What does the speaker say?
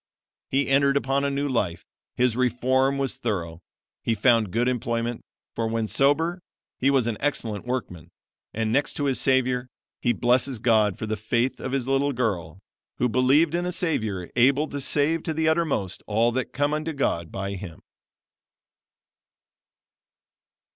He entered upon a new life. His reform was thorough. He found good employment, for when sober he was an excellent workman; and next to his Savior, he blesses God for the faith of his little girl, who believed in a Savior able to save to the uttermost all that come unto God by him."